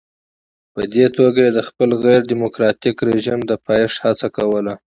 په دې توګه یې د خپل غیر ډیموکراټیک رژیم د پایښت هڅه کوله.